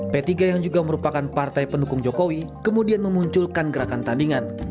p tiga yang juga merupakan partai pendukung jokowi kemudian memunculkan gerakan tandingan